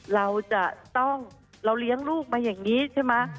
เราจะต้องเราเลี้ยงลูกมาอย่างนี้ใช่ไหม